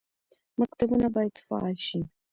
مکتبونه باید فعال شي